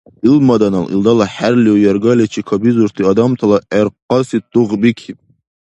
Илмаданал илдала хӀерлиу яргаличи кабизурти адамтала гӀеркъаси тугъ бикиб.